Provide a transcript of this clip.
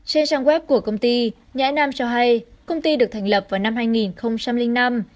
trên trang web của công ty nhãi nam cho hay công ty được thành lập vào năm hai nghìn năm